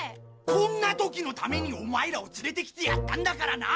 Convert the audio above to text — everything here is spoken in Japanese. こんな時のためにオマエらを連れてきてやったんだからな！